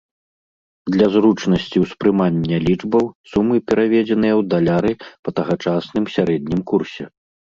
Для зручнасці ўспрымання лічбаў сумы пераведзеныя ў даляры па тагачасным сярэднім курсе.